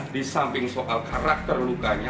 disamping soal karakter lukanya